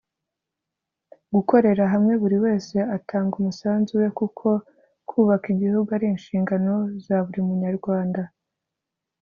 gukorera hamwe buri wese atanga umusanzu we kuko kubaka igihugu ari inshingano zaburi munyarwanda